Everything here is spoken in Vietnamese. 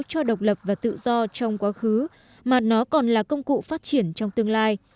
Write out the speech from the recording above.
cho độc lập và tự do trong quá khứ mà nó còn là công cụ phát triển trong tương lai